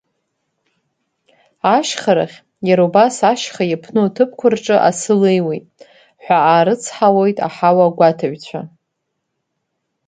Ашьхарахь, иара убас ашьха иаԥну аҭыԥқәа рҿы асы леиуеит, ҳәа аарыцҳауеит аҳауагәаҭаҩцәа.